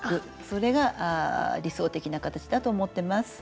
それが理想的な形だと思ってます。